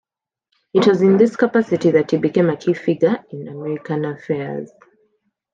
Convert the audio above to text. It was in this capacity that he became a key figure in American affairs.